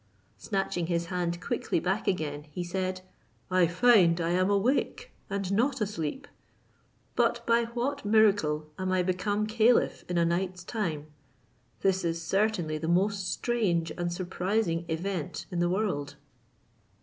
Snatching his hand quickly back again, he said, "I find I am awake and not asleep. But by what miracle am I become caliph in a night's time! this is certainly the most strange and surprising event in the world!"